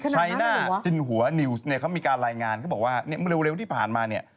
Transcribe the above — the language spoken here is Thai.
ใช้หน้าจินหัวนิวส์เขามีการรายงานเขาบอกว่าเร็วที่ผ่านมา